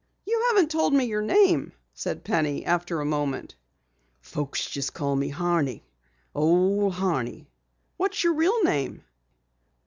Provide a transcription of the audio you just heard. "You haven't told me your name," said Penny after a moment. "Folks just call me Horney. Old Horney." "What is your real name?"